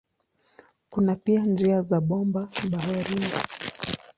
Kuna pia njia za bomba baharini.